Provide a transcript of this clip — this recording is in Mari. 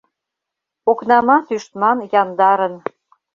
Окнамат ӱштман яндарын.